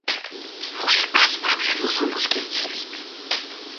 "Może Kaspra przeniosą do Skierniewic."